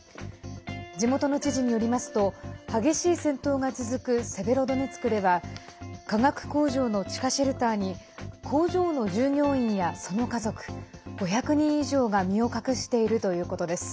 地元の知事によりますと激しい戦闘が続くセベロドネツクでは化学工場の地下シェルターに工場の従業員や、その家族５００人以上が身を隠しているということです。